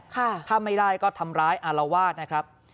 ถ้าไม่ได้ก็ทำร้ายอารวาสนะครับ